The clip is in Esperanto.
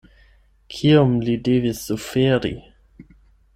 Kiom li devis suferi!